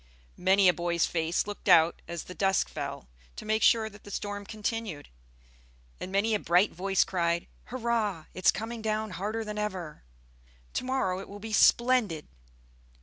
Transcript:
Many a boy's face looked out as the dusk fell, to make sure that the storm continued; and many a bright voice cried, "Hurrah! It's coming down harder than ever! To morrow it will be splendid!"